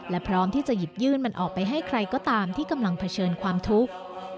และพร้อมที่จะหยิบยื่นมันออกไปให้ใครก็ตามที่กำลังเผชิญความทุกข์